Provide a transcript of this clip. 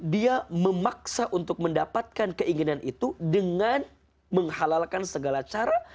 dia memaksa untuk mendapatkan keinginan itu dengan menghalalkan segala cara